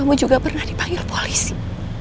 mama dipanggil polisi